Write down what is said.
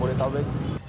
dari jawa jawa